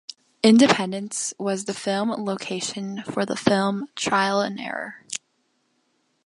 Independence was the film location for the film "Trial and Error".